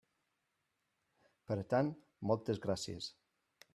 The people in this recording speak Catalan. Per tant, moltes gràcies.